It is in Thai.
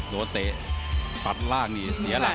เตะตัดล่างนี่เสียหลัก